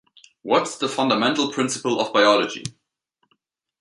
What's the fundamental principle of biology?